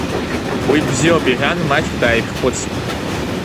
Уи бзиоуп, — иҳәан, маҷк дааиԥхьхәыцит.